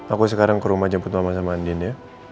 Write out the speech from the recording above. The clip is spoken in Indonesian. aku sekarang ke rumah jemput sama sama andin ya